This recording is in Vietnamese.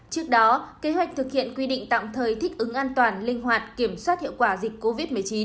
trước đó kế hoạch thực hiện quy định tạm thời thích ứng an toàn linh hoạt kiểm soát hiệu quả dịch covid một mươi chín